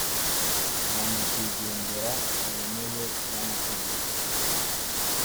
na nyakwigendera wemewe n‟amategeko